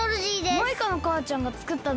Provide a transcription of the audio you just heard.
マイカのかあちゃんがつくったんだよ。